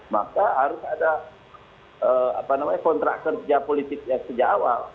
maka harus ada apa namanya kontrak kerja politik yang kerja awal